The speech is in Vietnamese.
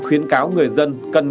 khuyến cáo người dân cần